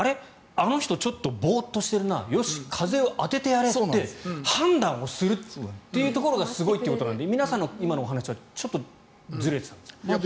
あの人ちょっとボーッとしてるなよし、風を当ててやれって判断をするというところがすごいということなので皆さんの今のお話はちょっとずれていたんです。